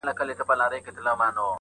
زموږ غاښو ته تيږي نه سي ټينگېدلاى!!